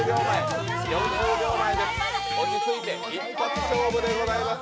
４０秒前、落ち着いて、一発勝負でございます